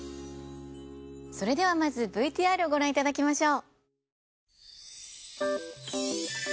それではまずＶＴＲをご覧いただきましょう。